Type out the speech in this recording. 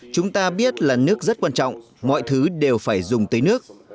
chúng ta biết là nước rất quan trọng mọi thứ đều phải dùng tới nước